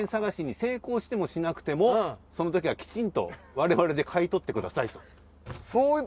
その時はきちんと我々で買い取って下さいと。